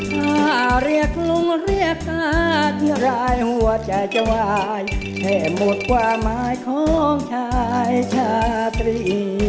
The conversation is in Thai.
จ่ายชาตรี